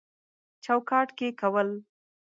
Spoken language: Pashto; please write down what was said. چوکاټ کې کول